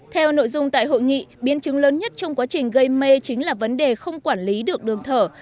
theo nội dung tại hội nghị biến chứng lớn nhất trong quá trình gây mê chính là vấn đề không quản lý được đường thở